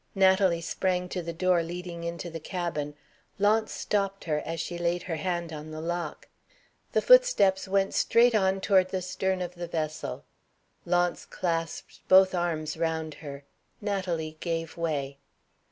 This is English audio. Natalie sprang to the door leading into the cabin. Launce stopped her, as she laid her hand on the lock. The footsteps went straight on toward the stern of the vessel. Launce clasped both arms round her. Natalie gave way.